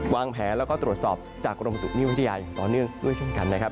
วางแผนแล้วก็ตรวจสอบจากกรมประตุนิวิทยาอย่างต่อเนื่องด้วยเช่นกันนะครับ